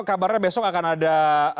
kabarnya besok akan ada